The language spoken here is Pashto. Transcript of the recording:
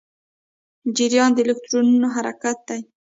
جریان د الکترونونو حرکت دی.